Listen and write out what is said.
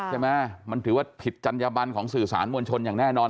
ใช่ไหมมันถือว่าผิดจัญญบันของสื่อสารมวลชนอย่างแน่นอน